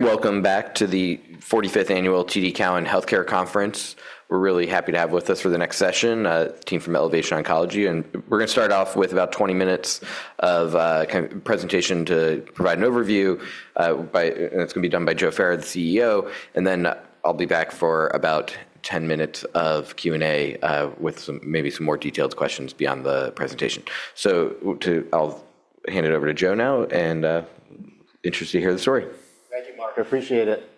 Welcome back to the 45th Annual TD Cowen Healthcare Conference. We're really happy to have with us for the next session, a team from Elevation Oncology. We're going to start off with about 20 minutes of presentation to provide an overview. It's going to be done by Joe Ferra, the CEO. I'll be back for about 10 minutes of Q&A with maybe some more detailed questions beyond the presentation. I'll hand it over to Joe now. Interested to hear the story. Thank you, Marc. I appreciate it.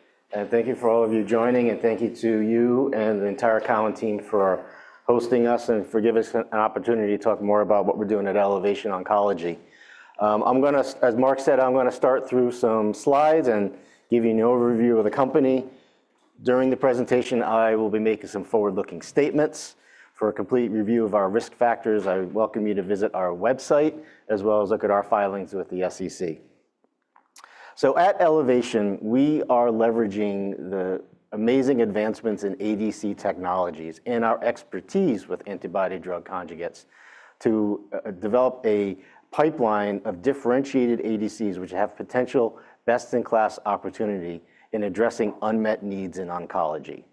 Thank you for all of you joining. Thank you to you and the entire Cowen team for hosting us and for giving us an opportunity to talk more about what we're doing at Elevation Oncology. As Marc said, I'm going to start through some slides and give you an overview of the company. During the presentation, I will be making some forward-looking statements. For a complete review of our risk factors, I welcome you to visit our website, as well as look at our filings with the SEC. At Elevation, we are leveraging the amazing advancements in ADC technologies and our expertise with antibody-drug conjugates to develop a pipeline of differentiated ADCs, which have potential best-in-class opportunity in addressing unmet needs in oncology.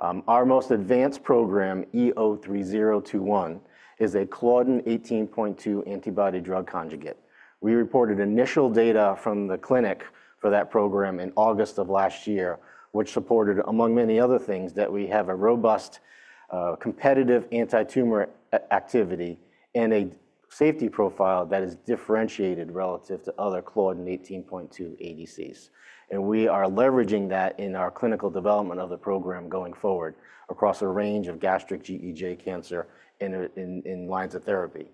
Our most advanced program, EO-3021, is a Claudin 18.2 antibody-drug conjugate. We reported initial data from the clinic for that program in August of last year, which supported, among many other things, that we have a robust competitive anti-tumor activity and a safety profile that is differentiated relative to other Claudin 18.2 ADCs. We are leveraging that in our clinical development of the program going forward across a range of gastric GEJ cancer in lines of therapy.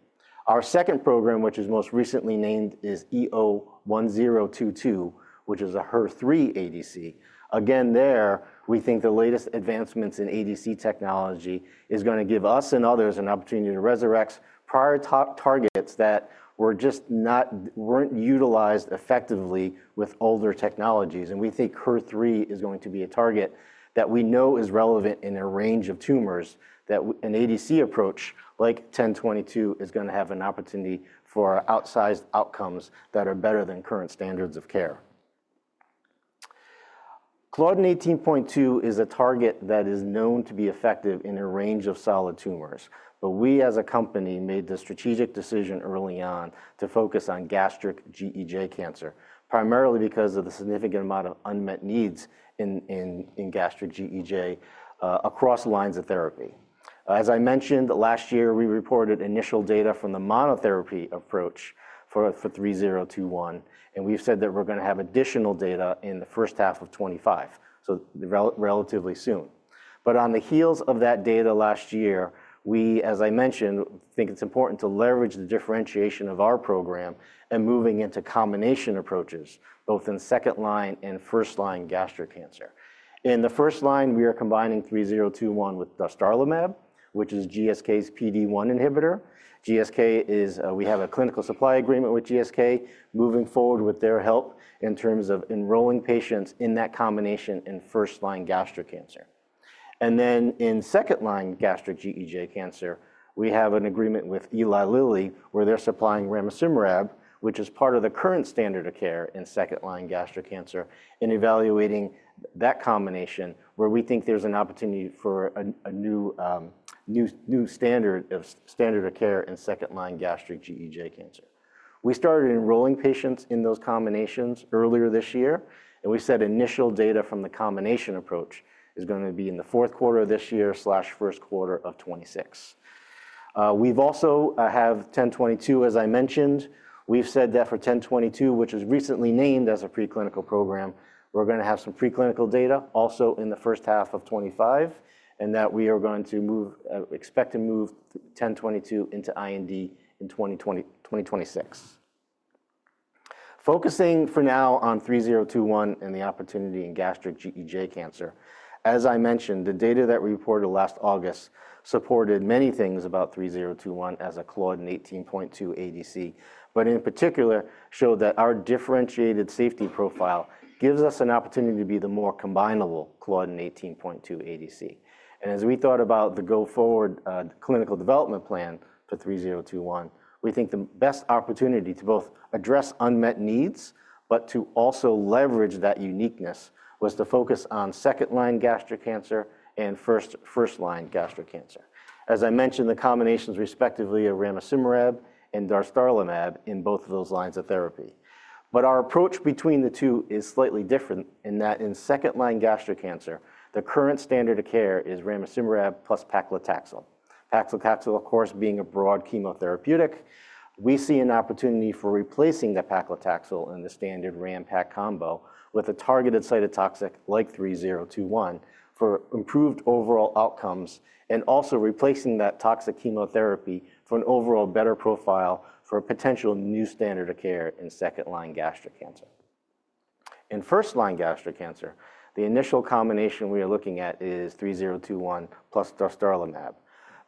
Our second program, which is most recently named, is EO-1022, which is a HER3 ADC. Again, there, we think the latest advancements in ADC technology are going to give us and others an opportunity to resurrect prior targets that were not utilized effectively with older technologies. We think HER3 is going to be a target that we know is relevant in a range of tumors that an ADC approach like 1022 is going to have an opportunity for outsized outcomes that are better than current standards of care. Claudin 18.2 is a target that is known to be effective in a range of solid tumors. We, as a company, made the strategic decision early on to focus on gastric GEJ cancer, primarily because of the significant amount of unmet needs in gastric GEJ across lines of therapy. As I mentioned, last year, we reported initial data from the monotherapy approach for 3021. We have said that we are going to have additional data in the first half of 2025, so relatively soon. On the heels of that data last year, we, as I mentioned, think it's important to leverage the differentiation of our program and moving into combination approaches, both in second-line and first-line gastric cancer. In the first line, we are combining 3021 with dostarlimab, which is GSK's PD-1 inhibitor. We have a clinical supply agreement with GSK moving forward with their help in terms of enrolling patients in that combination in first-line gastric cancer. In second-line gastric GEJ cancer, we have an agreement with Eli Lilly, where they're supplying ramucirumab, which is part of the current standard of care in second-line gastric cancer, in evaluating that combination, where we think there's an opportunity for a new standard of care in second-line gastric GEJ cancer. We started enrolling patients in those combinations earlier this year. We said initial data from the combination approach is going to be in the fourth quarter of this year/first quarter of 2026. We also have 1022, as I mentioned. We've said that for 1022, which was recently named as a preclinical program, we're going to have some preclinical data also in the first half of 2025, and that we are going to expect to move 1022 into IND in 2026. Focusing for now on 3021 and the opportunity in gastric GEJ cancer. As I mentioned, the data that we reported last August supported many things about 3021 as a Claudin 18.2 ADC, but in particular, showed that our differentiated safety profile gives us an opportunity to be the more combinable Claudin 18.2 ADC. As we thought about the go-forward clinical development plan for 3021, we think the best opportunity to both address unmet needs, but to also leverage that uniqueness, was to focus on second-line gastric cancer and first-line gastric cancer. As I mentioned, the combinations respectively of ramucirumab and dostarlimab in both of those lines of therapy. Our approach between the two is slightly different in that in second-line gastric cancer, the current standard of care is ramucirumab plus paclitaxel. Paclitaxel, of course, being a broad chemotherapeutic, we see an opportunity for replacing that paclitaxel in the standard RAMPAC combo with a targeted cytotoxic like 3021 for improved overall outcomes and also replacing that toxic chemotherapy for an overall better profile for a potential new standard of care in second-line gastric cancer. In first-line gastric cancer, the initial combination we are looking at is 3021 plus dostarlimab.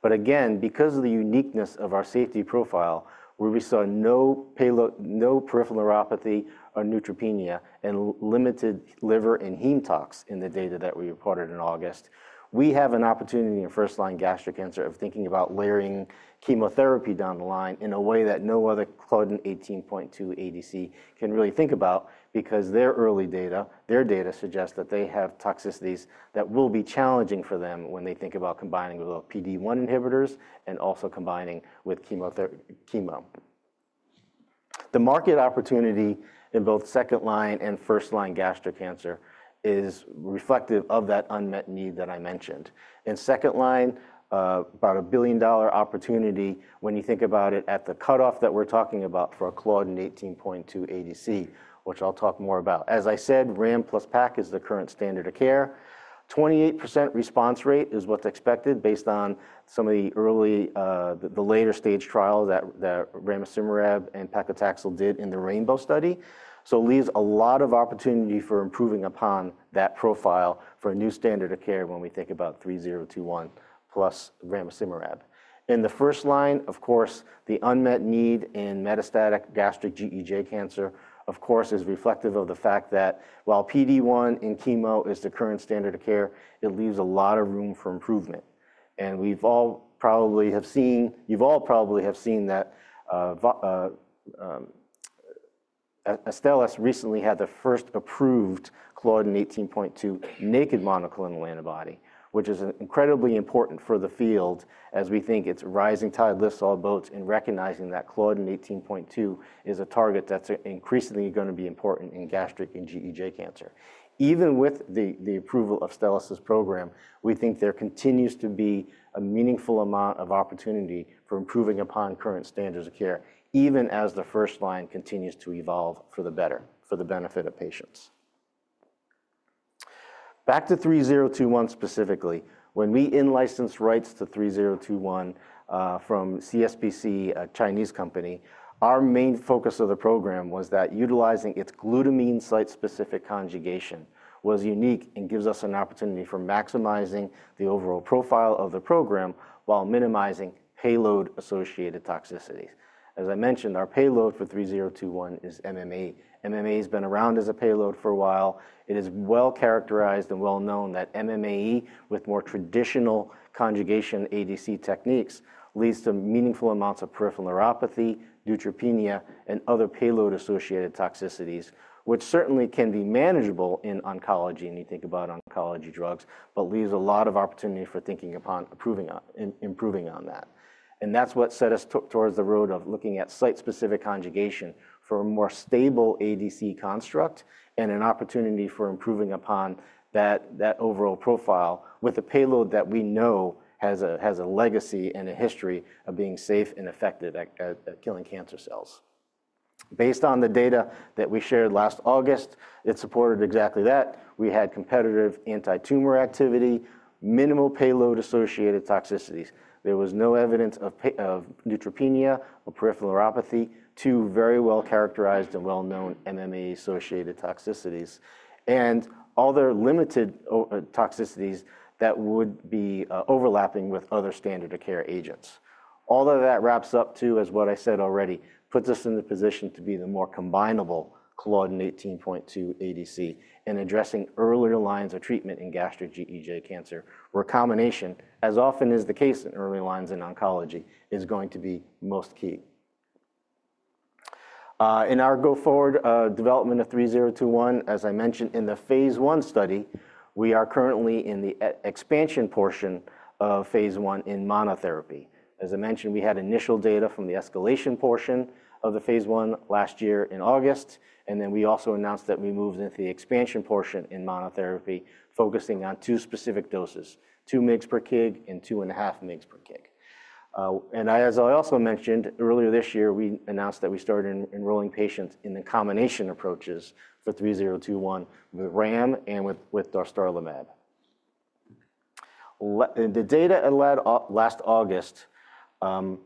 Again, because of the uniqueness of our safety profile, where we saw no peripheral neuropathy or neutropenia and limited liver and heme tox in the data that we reported in August, we have an opportunity in first-line gastric cancer of thinking about layering chemotherapy down the line in a way that no other Claudin 18.2 ADC can really think about because their early data, their data suggests that they have toxicities that will be challenging for them when they think about combining with PD-1 inhibitors and also combining with chemo. The market opportunity in both second-line and first-line gastric cancer is reflective of that unmet need that I mentioned. In second-line, about a $1 billion opportunity when you think about it at the cutoff that we're talking about for a Claudin 18.2 ADC, which I'll talk more about. As I said, RAM plus PAC is the current standard of care. 28% response rate is what's expected based on some of the later-stage trials that ramucirumab and paclitaxel did in the RAINBOW study. It leaves a lot of opportunity for improving upon that profile for a new standard of care when we think about 3021 plus ramucirumab. In the first line, of course, the unmet need in metastatic gastric GEJ cancer, of course, is reflective of the fact that while PD-1 and chemo is the current standard of care, it leaves a lot of room for improvement. You've all probably have seen that Astellas recently had their first approved Claudin 18.2 naked monoclonal antibody, which is incredibly important for the field as we think it's rising tide lifts all boats in recognizing that Claudin 18.2 is a target that's increasingly going to be important in gastric and GEJ cancer. Even with the approval of Astellas' program, we think there continues to be a meaningful amount of opportunity for improving upon current standards of care, even as the first line continues to evolve for the better for the benefit of patients. Back to 3021 specifically. When we in-licensed rights to 3021 from CSPC, a Chinese company, our main focus of the program was that utilizing its glutamine site-specific conjugation was unique and gives us an opportunity for maximizing the overall profile of the program while minimizing payload-associated toxicities. As I mentioned, our payload for 3021 is MMAE. MMAE has been around as a payload for a while. It is well characterized and well known that MMAE, with more traditional conjugation ADC techniques, leads to meaningful amounts of peripheral neuropathy, neutropenia, and other payload-associated toxicities, which certainly can be manageable in oncology when you think about oncology drugs, but leaves a lot of opportunity for thinking upon improving on that. That is what set us towards the road of looking at site-specific conjugation for a more stable ADC construct and an opportunity for improving upon that overall profile with a payload that we know has a legacy and a history of being safe and effective at killing cancer cells. Based on the data that we shared last August, it supported exactly that. We had competitive anti-tumor activity, minimal payload-associated toxicities. There was no evidence of neutropenia or peripheral neuropathy, two very well characterized and well-known MMAE-associated toxicities, and other limited toxicities that would be overlapping with other standard of care agents. All of that wraps up to, as what I said already, puts us in the position to be the more combinable Claudin 18.2 ADC in addressing earlier lines of treatment in gastric GEJ cancer, where combination, as often is the case in early lines in oncology, is going to be most key. In our go-forward development of 3021, as I mentioned, in the phase one study, we are currently in the expansion portion of phase one in monotherapy. As I mentioned, we had initial data from the escalation portion of the phase one last year in August. We also announced that we moved into the expansion portion in monotherapy, focusing on two specific doses, 2 mg per kg and 2.5 mg per kg. As I also mentioned, earlier this year, we announced that we started enrolling patients in the combination approaches for 3021 with ramucirumab and with dostarlimab. The data last August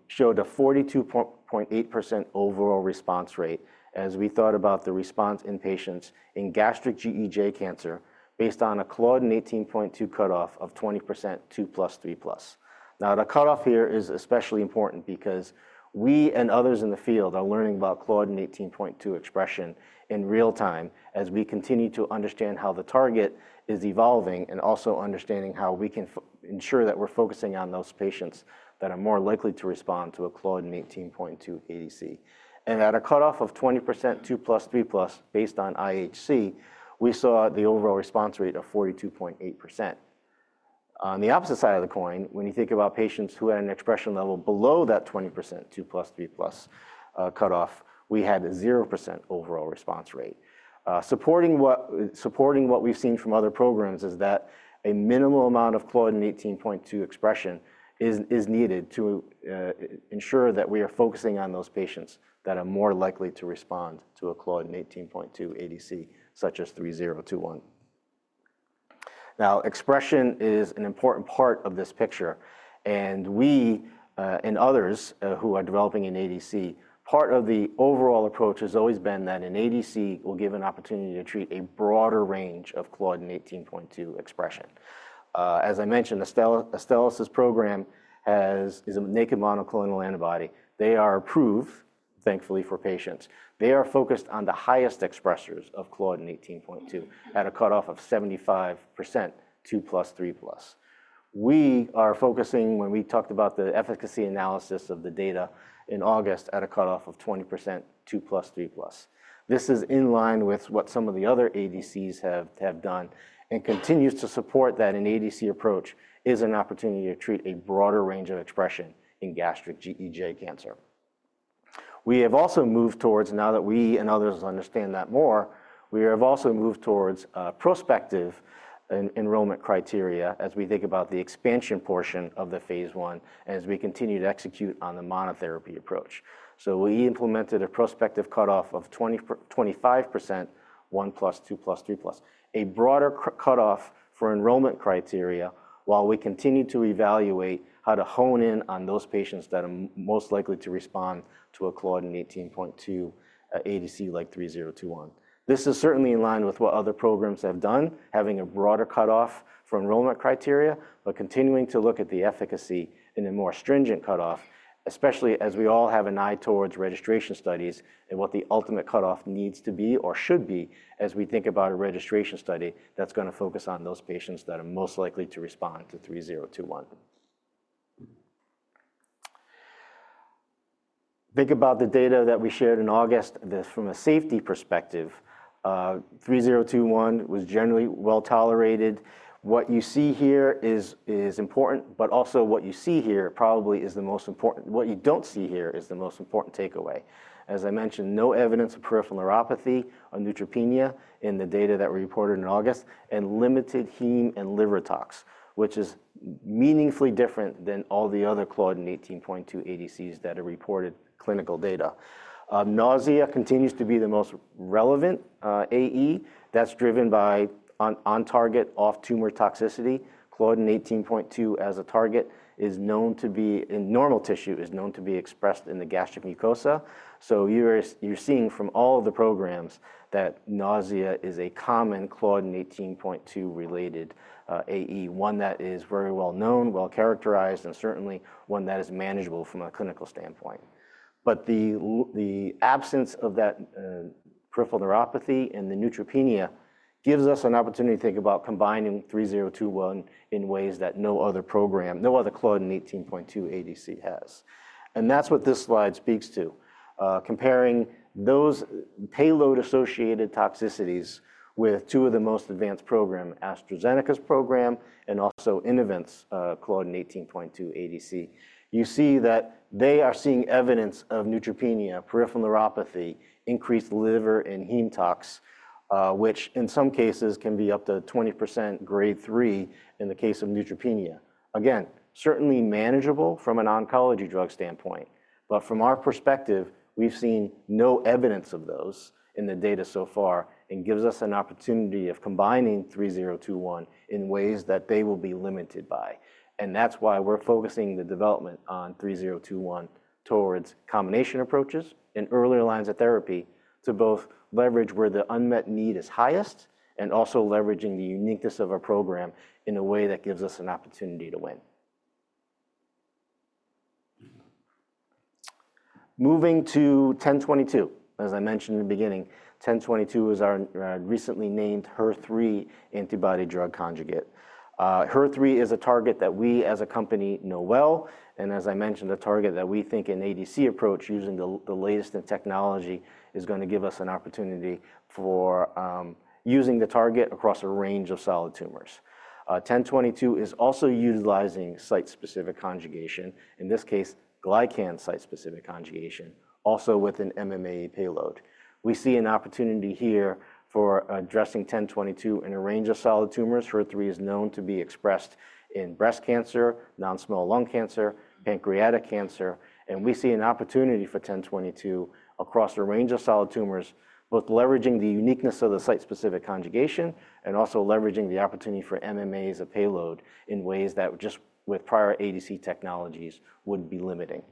showed a 42.8% overall response rate as we thought about the response in patients in gastric GEJ cancer based on a Claudin 18.2 cutoff of 20% 2 plus 3 plus. The cutoff here is especially important because we and others in the field are learning about Claudin 18.2 expression in real time as we continue to understand how the target is evolving and also understanding how we can ensure that we're focusing on those patients that are more likely to respond to a Claudin 18.2 ADC. At a cutoff of 20% 2 plus 3 plus based on IHC, we saw the overall response rate of 42.8%. On the opposite side of the coin, when you think about patients who had an expression level below that 20% 2 plus 3 plus cutoff, we had a 0% overall response rate. Supporting what we've seen from other programs is that a minimal amount of Claudin 18.2 expression is needed to ensure that we are focusing on those patients that are more likely to respond to a Claudin 18.2 ADC, such as 3021. Now, expression is an important part of this picture. We and others who are developing an ADC, part of the overall approach has always been that an ADC will give an opportunity to treat a broader range of Claudin 18.2 expression. As I mentioned, Astellas' program is a naked monoclonal antibody. They are approved, thankfully, for patients. They are focused on the highest expressors of Claudin 18.2 at a cutoff of 75% 2 plus 3 plus. We are focusing when we talked about the efficacy analysis of the data in August at a cutoff of 20% 2 plus 3 plus. This is in line with what some of the other ADCs have done and continues to support that an ADC approach is an opportunity to treat a broader range of expression in gastric GEJ cancer. We have also moved towards, now that we and others understand that more, we have also moved towards prospective enrollment criteria as we think about the expansion portion of the phase one and as we continue to execute on the monotherapy approach. We implemented a prospective cutoff of 25% 1 plus 2 plus 3 plus, a broader cutoff for enrollment criteria while we continue to evaluate how to hone in on those patients that are most likely to respond to a Claudin 18.2 ADC like 3021. This is certainly in line with what other programs have done, having a broader cutoff for enrollment criteria, but continuing to look at the efficacy in a more stringent cutoff, especially as we all have an eye towards registration studies and what the ultimate cutoff needs to be or should be as we think about a registration study that's going to focus on those patients that are most likely to respond to 3021. Think about the data that we shared in August from a safety perspective. 3021 was generally well tolerated. What you see here is important, but also what you see here probably is the most important. What you don't see here is the most important takeaway. As I mentioned, no evidence of peripheral neuropathy or neutropenia in the data that we reported in August and limited heme and liver tox, which is meaningfully different than all the other Claudin 18.2 ADCs that are reported clinical data. Nausea continues to be the most relevant AE that's driven by on-target, off-tumor toxicity. Claudin 18.2 as a target is known to be in normal tissue, is known to be expressed in the gastric mucosa. You are seeing from all of the programs that nausea is a common Claudin 18.2 related AE, one that is very well known, well characterized, and certainly one that is manageable from a clinical standpoint. The absence of that peripheral neuropathy and the neutropenia gives us an opportunity to think about combining 3021 in ways that no other program, no other Claudin 18.2 ADC has. That is what this slide speaks to. Comparing those payload-associated toxicities with two of the most advanced programs, AstraZeneca's program and also Innovent's Claudin 18.2 ADC, you see that they are seeing evidence of neutropenia, peripheral neuropathy, increased liver and heme tox, which in some cases can be up to 20% grade 3 in the case of neutropenia. Again, certainly manageable from an oncology drug standpoint. From our perspective, we have seen no evidence of those in the data so far and it gives us an opportunity of combining 3021 in ways that they will be limited by. That is why we are focusing the development on 3021 towards combination approaches in earlier lines of therapy to both leverage where the unmet need is highest and also leveraging the uniqueness of our program in a way that gives us an opportunity to win. Moving to 1022. As I mentioned in the beginning, 1022 is our recently named HER3 antibody-drug conjugate. HER3 is a target that we as a company know well. As I mentioned, a target that we think an ADC approach using the latest in technology is going to give us an opportunity for using the target across a range of solid tumors. 1022 is also utilizing site-specific conjugation, in this case, glycan site-specific conjugation, also with an MMAE payload. We see an opportunity here for addressing 1022 in a range of solid tumors. HER3 is known to be expressed in breast cancer, non-small lung cancer, pancreatic cancer. We see an opportunity for 1022 across a range of solid tumors, both leveraging the uniqueness of the site-specific conjugation and also leveraging the opportunity for MMAE as a payload in ways that just with prior ADC technologies would be limiting.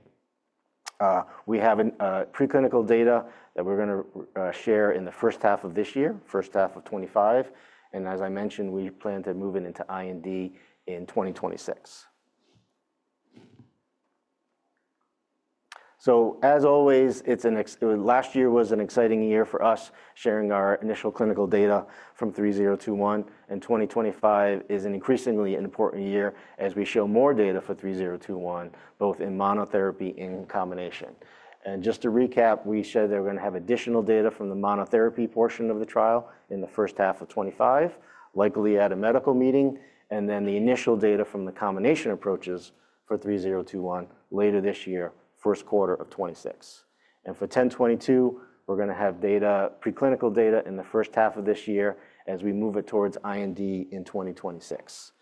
We have preclinical data that we are going to share in the first half of this year, first half of 2025. As I mentioned, we plan to move it into IND in 2026. Last year was an exciting year for us sharing our initial clinical data from 3021. 2025 is an increasingly important year as we show more data for 3021, both in monotherapy and in combination. Just to recap, we said they were going to have additional data from the monotherapy portion of the trial in the first half of 2025, likely at a medical meeting, and then the initial data from the combination approaches for 3021 later this year, first quarter of 2026. For 1022, we're going to have preclinical data in the first half of this year as we move it towards IND in 2026.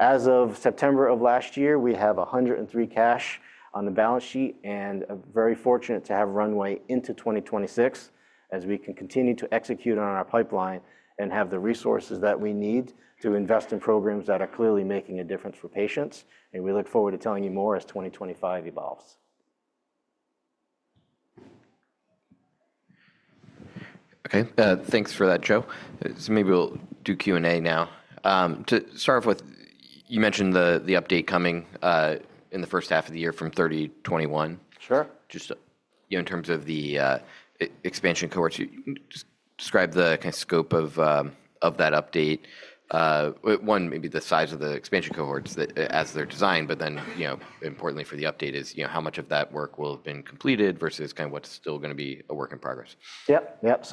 As of September of last year, we have $103 million cash on the balance sheet and are very fortunate to have runway into 2026 as we can continue to execute on our pipeline and have the resources that we need to invest in programs that are clearly making a difference for patients. We look forward to telling you more as 2025 evolves. Okay. Thanks for that, Joe. Maybe we'll do Q&A now. To start off with, you mentioned the update coming in the first half of the year from 3021. Sure. Just in terms of the expansion cohorts, describe the kind of scope of that update. One, maybe the size of the expansion cohorts as they're designed, but then importantly for the update is how much of that work will have been completed versus kind of what's still going to be a work in progress. Yep, yep.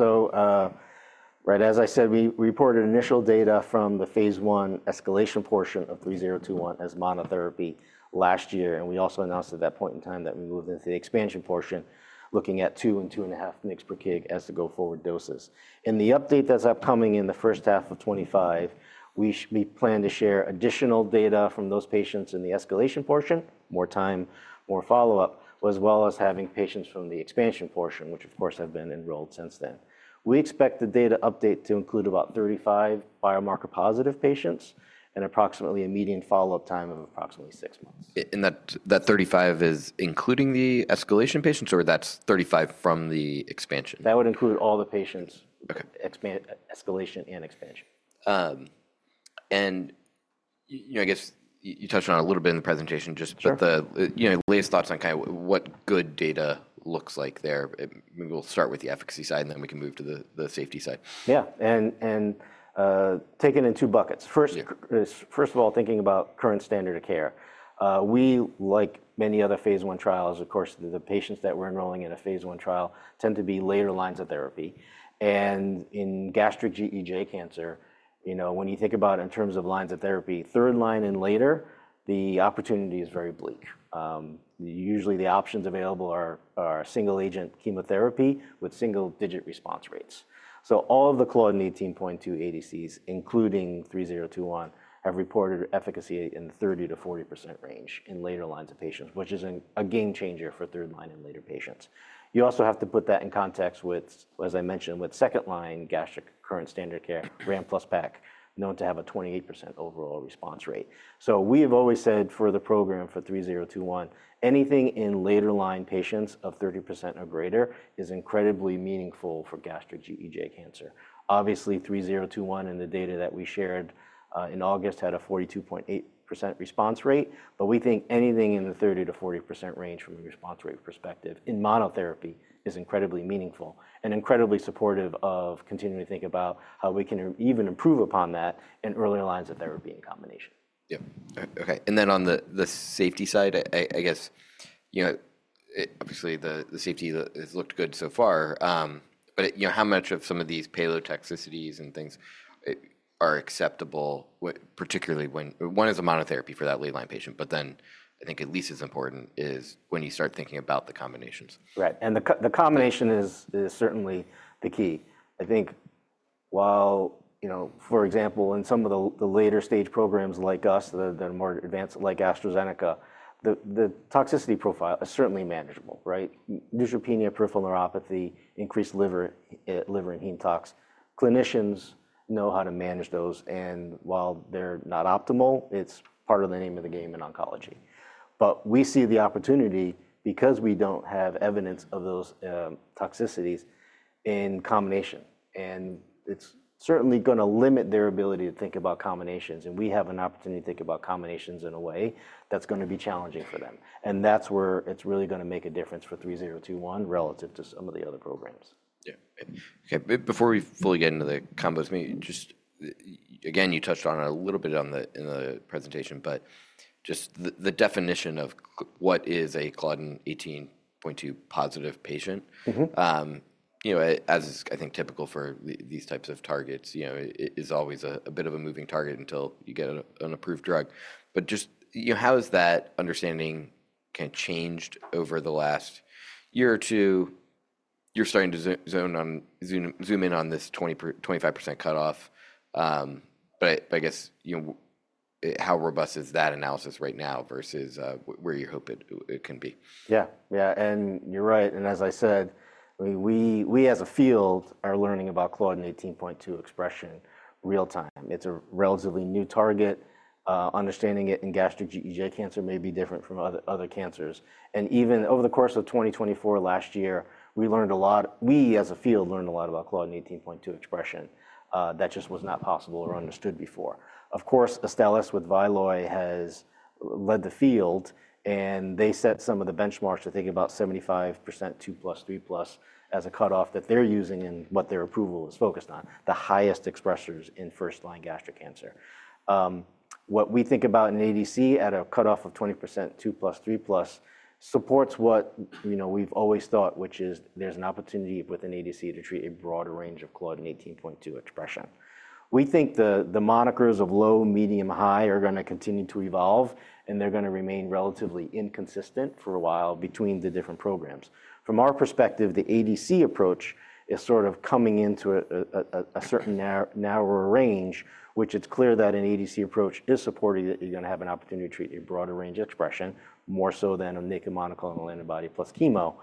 Right as I said, we reported initial data from the phase one escalation portion of 3021 as monotherapy last year. We also announced at that point in time that we moved into the expansion portion, looking at two and two and a half mgs per kg as the go-forward doses. In the update that's upcoming in the first half of 2025, we plan to share additional data from those patients in the escalation portion, more time, more follow-up, as well as having patients from the expansion portion, which of course have been enrolled since then. We expect the data update to include about 35 biomarker-positive patients and approximately a median follow-up time of approximately six months. Is that 35 including the escalation patients, or is that 35 from the expansion? That would include all the patients, escalation and expansion. I guess you touched on it a little bit in the presentation, just the latest thoughts on kind of what good data looks like there. Maybe we'll start with the efficacy side and then we can move to the safety side. Yeah. Taken in two buckets. First of all, thinking about current standard of care, we, like many other phase one trials, of course, the patients that we're enrolling in a phase one trial tend to be later lines of therapy. And in gastric GEJ cancer, when you think about it in terms of lines of therapy, third line and later, the opportunity is very bleak. Usually, the options available are single-agent chemotherapy with single-digit response rates. All of the Claudin 18.2 ADCs, including 3021, have reported efficacy in the 30-40% range in later lines of patients, which is a game changer for third line and later patients. You also have to put that in context with, as I mentioned, with second line gastric current standard care, RAM plus PAC, known to have a 28% overall response rate. We have always said for the program for 3021, anything in later line patients of 30% or greater is incredibly meaningful for gastric GEJ cancer. Obviously, 3021 in the data that we shared in August had a 42.8% response rate, but we think anything in the 30-40% range from a response rate perspective in monotherapy is incredibly meaningful and incredibly supportive of continuing to think about how we can even improve upon that in earlier lines of therapy in combination. Yeah. Okay. And then on the safety side, I guess obviously the safety has looked good so far, but how much of some of these payload toxicities and things are acceptable, particularly when one is a monotherapy for that late line patient, but then I think at least as important is when you start thinking about the combinations. Right. The combination is certainly the key. I think while, for example, in some of the later stage programs like us, the more advanced like AstraZeneca, the toxicity profile is certainly manageable, right? Neutropenia, peripheral neuropathy, increased liver and heme tox, clinicians know how to manage those. While they're not optimal, it's part of the name of the game in oncology. We see the opportunity because we don't have evidence of those toxicities in combination. It's certainly going to limit their ability to think about combinations. We have an opportunity to think about combinations in a way that's going to be challenging for them. That's where it's really going to make a difference for 3021 relative to some of the other programs. Yeah. Okay. Before we fully get into the combo, just again, you touched on it a little bit in the presentation, but just the definition of what is a Claudin 18.2 positive patient. As I think typical for these types of targets, it is always a bit of a moving target until you get an approved drug. Just how has that understanding kind of changed over the last year or two? You're starting to zoom in on this 25% cutoff. I guess how robust is that analysis right now versus where you hope it can be? Yeah. Yeah. You're right. As I said, we as a field are learning about Claudin 18.2 expression real-time. It's a relatively new target. Understanding it in gastric GEJ cancer may be different from other cancers. Even over the course of 2024, last year, we learned a lot. We as a field learned a lot about Claudin 18.2 expression that just was not possible or understood before. Of course, Astellas with Vyloy has led the field, and they set some of the benchmarks to think about 75%, 2 plus, 3 plus as a cutoff that they're using in what their approval is focused on, the highest expressors in first-line gastric cancer. What we think about in ADC at a cutoff of 20%, 2 plus, 3 plus supports what we've always thought, which is there's an opportunity within ADC to treat a broader range of Claudin 18.2 expression. We think the monikers of low, medium, high are going to continue to evolve, and they're going to remain relatively inconsistent for a while between the different programs. From our perspective, the ADC approach is sort of coming into a certain narrower range, which it's clear that an ADC approach is supporting that you're going to have an opportunity to treat a broader range expression more so than a naked monoclonal antibody plus chemo.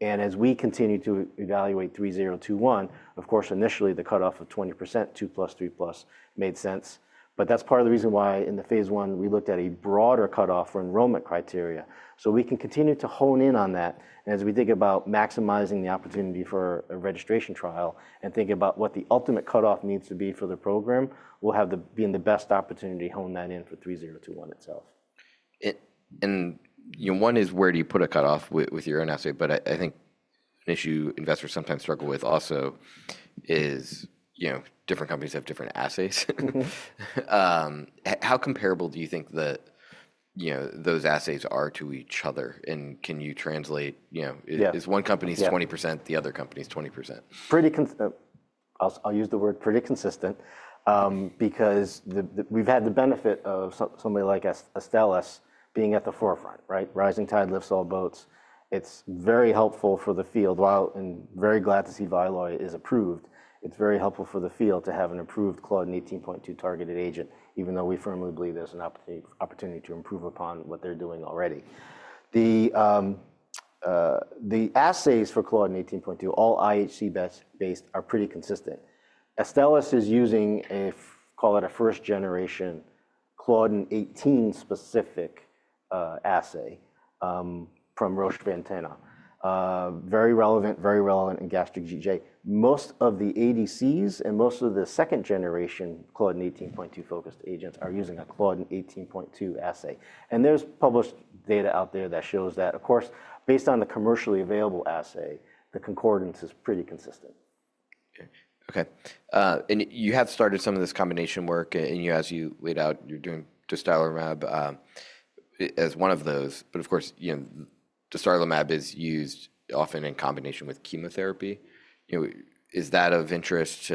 As we continue to evaluate 3021, of course, initially the cutoff of 20%, 2 plus, 3 plus made sense. That's part of the reason why in the phase one, we looked at a broader cutoff for enrollment criteria. We can continue to hone in on that. As we think about maximizing the opportunity for a registration trial and think about what the ultimate cutoff needs to be for the program, we'll have the best opportunity to hone that in for 3021 itself. One is where do you put a cutoff with your own assay? I think an issue investors sometimes struggle with also is different companies have different assays. How comparable do you think those assays are to each other? Can you translate? Is one company's 20%, the other company's 20%? I'll use the word pretty consistent because we've had the benefit of somebody like Astellas being at the forefront, right? Rising tide lifts all boats. It's very helpful for the field. While I'm very glad to see Vyloy is approved, it's very helpful for the field to have an approved Claudin 18.2 targeted agent, even though we firmly believe there's an opportunity to improve upon what they're doing already. The assays for Claudin 18.2, all IHC-based, are pretty consistent. Astellas is using, call it a first-generation Claudin 18-specific assay from Roche Ventana, very relevant, very relevant in gastric GEJ. Most of the ADCs and most of the second-generation Claudin 18.2-focused agents are using a Claudin 18.2 assay. There's published data out there that shows that, of course, based on the commercially available assay, the concordance is pretty consistent. Okay. Okay. You have started some of this combination work, and as you laid out, you're doing dostarlimab as one of those. Of course, dostarlimab is used often in combination with chemotherapy. Is that of interest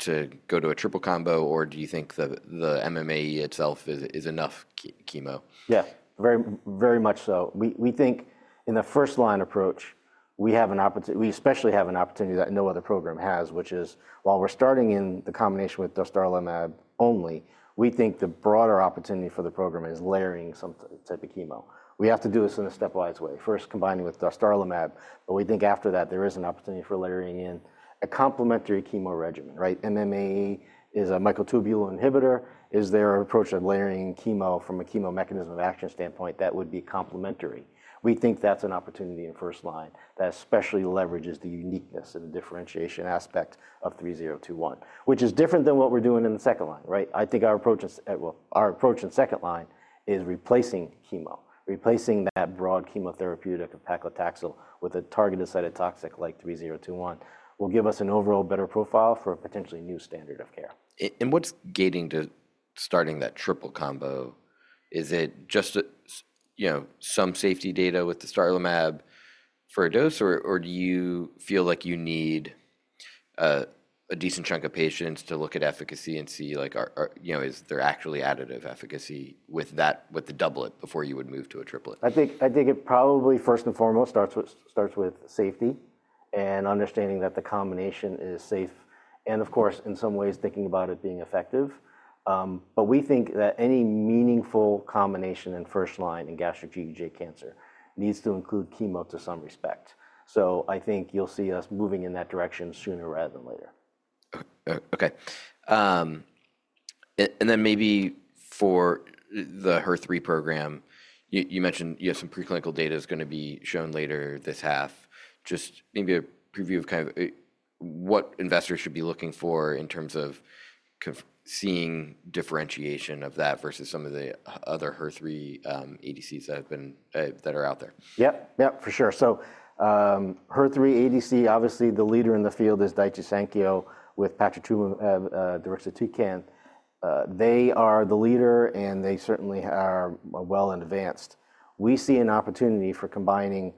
to go to a triple combo, or do you think the MMAE itself is enough chemo? Yeah, very much so. We think in the first-line approach, we especially have an opportunity that no other program has, which is while we're starting in the combination with dostarlimab only, we think the broader opportunity for the program is layering some type of chemo. We have to do this in a stepwise way, first combining with dostarlimab, but we think after that there is an opportunity for layering in a complementary chemo regimen, right? MMAE is a microtubule inhibitor. Is there an approach of layering chemo from a chemo mechanism of action standpoint that would be complementary? We think that's an opportunity in first line that especially leverages the uniqueness and the differentiation aspect of 3021, which is different than what we're doing in the second line, right? I think our approach in second line is replacing chemo, replacing that broad chemotherapeutic of paclitaxel with a targeted cytotoxic like 3021 will give us an overall better profile for a potentially new standard of care. What's gating to starting that triple combo? Is it just some safety data with the dostarlimab for a dose, or do you feel like you need a decent chunk of patients to look at efficacy and see is there actually additive efficacy with the doublet before you would move to a triplet? I think it probably first and foremost starts with safety and understanding that the combination is safe. Of course, in some ways, thinking about it being effective. We think that any meaningful combination in first line in gastric GEJ cancer needs to include chemo to some respect. I think you'll see us moving in that direction sooner rather than later. Okay. Maybe for the HER3 program, you mentioned you have some preclinical data is going to be shown later this half. Just maybe a preview of kind of what investors should be looking for in terms of seeing differentiation of that versus some of the other HER3 ADCs that are out there. Yep, yep, for sure. So HER3 ADC, obviously the leader in the field is Daiichi Sankyo with patritumab deruxtecan. They are the leader, and they certainly are well advanced. We see an opportunity for combining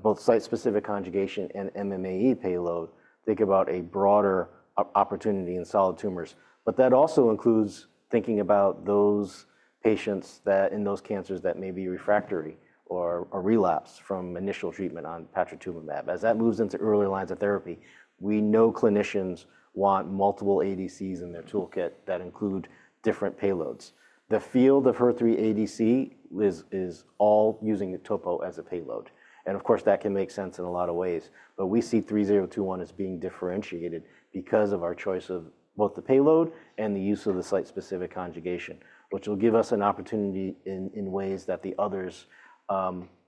both site-specific conjugation and MMAE payload. Think about a broader opportunity in solid tumors. That also includes thinking about those patients in those cancers that may be refractory or relapse from initial treatment on patritumab. As that moves into earlier lines of therapy, we know clinicians want multiple ADCs in their toolkit that include different payloads. The field of HER3 ADC is all using the topo as a payload. Of course, that can make sense in a lot of ways. We see 3021 as being differentiated because of our choice of both the payload and the use of the site-specific conjugation, which will give us an opportunity in ways that the others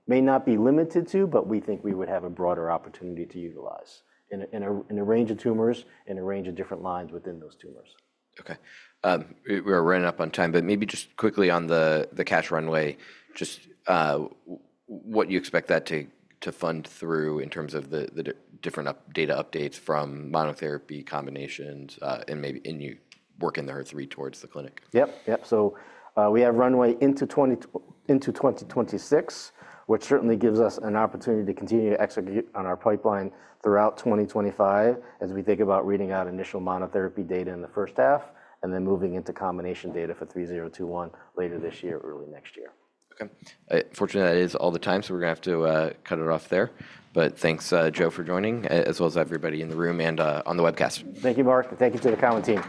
may not be limited to, but we think we would have a broader opportunity to utilize in a range of tumors and a range of different lines within those tumors. Okay. We're running up on time, but maybe just quickly on the cash runway, just what you expect that to fund through in terms of the different data updates from monotherapy combinations and maybe working the HER3 towards the clinic. Yep, yep. We have runway into 2026, which certainly gives us an opportunity to continue to execute on our pipeline throughout 2025 as we think about reading out initial monotherapy data in the first half and then moving into combination data for 3021 later this year, early next year. Unfortunately, that is all the time, so we're going to have to cut it off there. Thanks, Joe, for joining, as well as everybody in the room and on the webcast. Thank you, Marc. Thank you to the Cowen team.